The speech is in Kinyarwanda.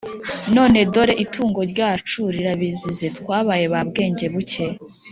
none dore itungo ryacu rirabizize. twabaye ba bwengebuke!»